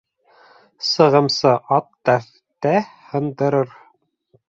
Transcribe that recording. Сығымсы ат тәртә һындырыр